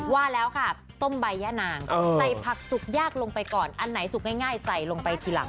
ว่าแล้วค่ะต้มใบย่านางใส่ผักสุกยากลงไปก่อนอันไหนสุกง่ายใส่ลงไปทีหลัง